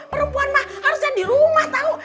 perempuan mah harusnya di rumah tahu